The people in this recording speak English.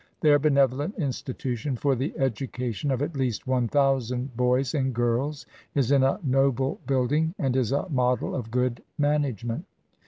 Their Benevolent Institution for the edu cation of at least one thousand boys and girls is in a noble building, and is a model of good management.